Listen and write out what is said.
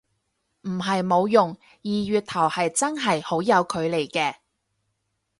唔係冇用，二月頭係真係好有距離嘅